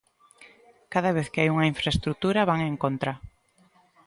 Cada vez que hai unha infraestrutura, van en contra.